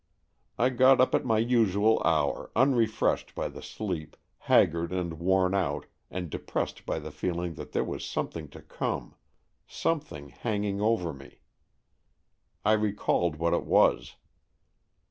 I got up at my usual hour, unrefreshed by the sleep, haggard and worn out, and de pressed by the feeling that there was some thing to come — something hanging over me. I recalled what it was.